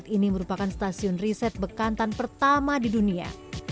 ini merupakan stasiun riset bekantan pertama di dunia